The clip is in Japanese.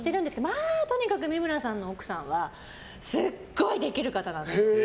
まあとにかく三村さんの奥さんはすごいできる方なんです。